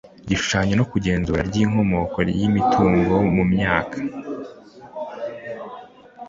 igishushanyo no igenzura ry inkomoko y imitungo mu myaka